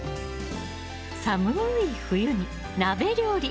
寒い冬に鍋料理！